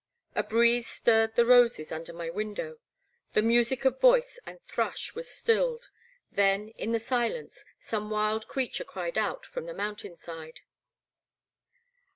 A breeze stirred the roses under my window; the music of voice and thrush was stilled. Then, in the silence, some wild creature cried out from the mountain side.